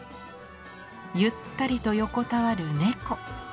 ゆったりと横たわる猫。